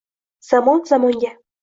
Zamon-zamonga